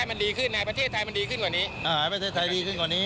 มันดีขึ้นในประเทศไทยมันดีขึ้นกว่านี้ประเทศไทยดีขึ้นกว่านี้